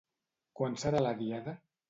Quan serà la Diada?